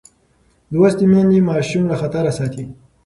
لوستې میندې ماشوم له خطره ساتي.